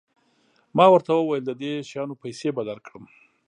ما ورته وویل د دې شیانو پیسې به درکړم.